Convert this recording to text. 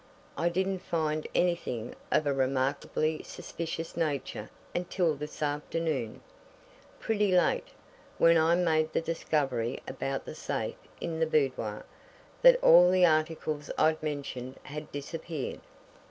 I didn't find anything of a remarkably suspicious nature until this afternoon, pretty late, when I made the discovery about the safe in the boudoir that all the articles I'd mentioned had disappeared.